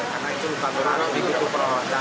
karena itu luka berat dibutuhkan perawatan